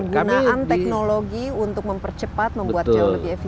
ya itu bagaimana penggunaan teknologi untuk mempercepat menurunkan kelembahan efisien